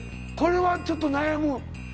これはちょっと悩む。